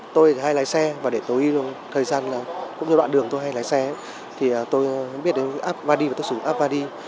tôi hay lái xe và để tôi có thời gian cũng như đoạn đường tôi hay lái xe thì tôi biết vadi và tôi sử dụng vadi